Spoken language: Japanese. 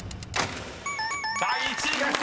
［第１位です！